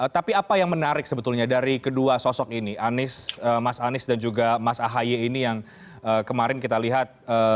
tapi apa yang menarik sebetulnya dari kedua sosok ini anies mas anies dan juga mas ahaye ini yang kemarin kita lihat